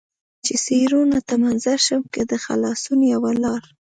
چې څېړنو ته منتظر شم، که د خلاصون یوه لار.